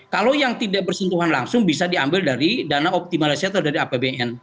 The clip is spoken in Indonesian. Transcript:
kalau yang tidak bersentuhan langsung bisa diambil dari dana optimalisiator dari apbn